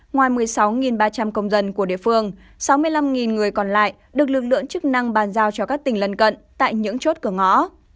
ngoài một mươi sáu ba trăm linh công dân của địa phương sáu mươi năm người còn lại được lực lượng chức năng bàn giao cho các tỉnh lân cận tại những chốt cửa ngõ